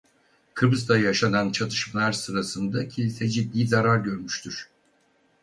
Kıbrıs'ta yaşanan çatışmalar sırasında kilise "ciddi" zarar görmüştür.